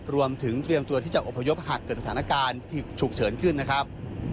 รวมถึงเตรียมตัวที่จะอพยพหากเกิดสถานการณ์ฉุกเฉินขึ้นนะครับ